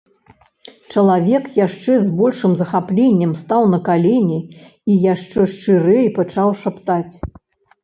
Чалавек яшчэ з большым захапленнем стаў на калені і яшчэ шчырэй пачаў шаптаць.